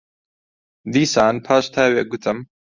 دیسان پاش تاوێک گوتم: